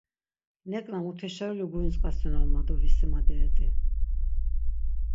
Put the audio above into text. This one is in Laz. Neǩna muteşeruli guintzǩasinon ma do visimaderet̆i.